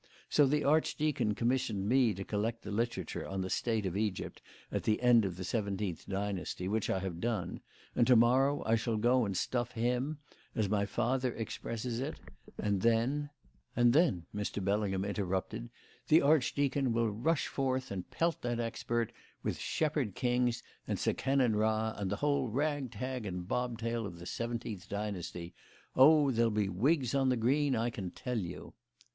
So the archdeacon commissioned me to collect the literature on the state of Egypt at the end of the seventeenth dynasty, which I have done; and to morrow I shall go and stuff him, as my father expresses it, and then " "And then," Mr. Bellingham interrupted, "the archdeacon will rush forth and pelt that expert with Shepherd Kings and Seqenen Ra and the whole tag rag and bobtail of the seventeenth dynasty. Oh, there'll be wigs on the green, I can tell you."